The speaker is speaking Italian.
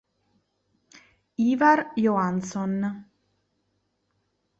Ivar Johansson